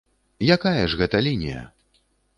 Якая ж гэта лінія?